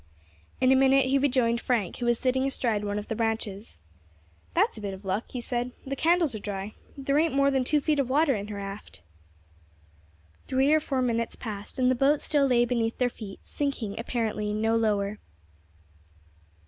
In a minute he rejoined Frank, who was sitting astride of one of the branches. "That's a bit of luck," he said; "the candles are dry. There ain't more than two feet of water in her aft." Three or four minutes passed, and the boat still lay beneath their feet, sinking, apparently, no lower.